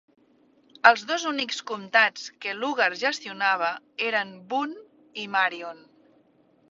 Els dos únics comtats que Lugar gestionava eren Boone i Marion.